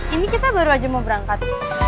ini kita baru aja mau berangkat